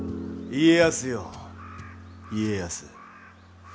家康よ家康。